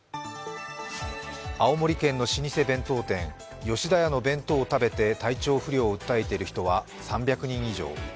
青森県の老舗弁当店・吉田屋の弁当を食べて体調不良を訴えている人は３００人以上。